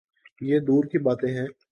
یہ دور کی باتیں ہیں۔